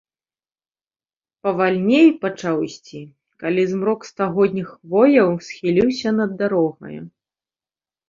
Павальней пачаў ісці, калі змрок стагодніх хвояў схіліўся над дарогаю.